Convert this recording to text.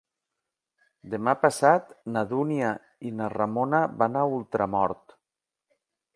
Demà passat na Dúnia i na Ramona van a Ultramort.